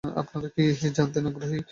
আপনারা কি জানতে আগ্রহী?